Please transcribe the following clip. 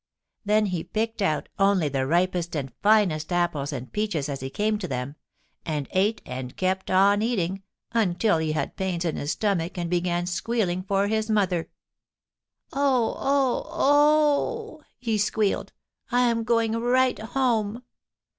Then he picked out only the ripest and finest apples and peaches as he came to them, and ate and kept on eating until he had pains in his stomach and began squealing for his mother. "Oh, oh, oh!" he squealed. "I am going right home!"